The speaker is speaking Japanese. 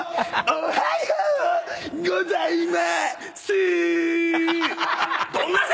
おはようございま。